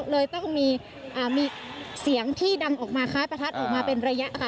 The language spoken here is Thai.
เลยต้องมีเสียงที่ดังออกมาคล้ายประทัดออกมาเป็นระยะค่ะ